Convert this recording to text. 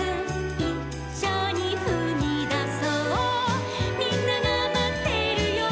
「『いっしょにふみだそうみんながまってるよ』」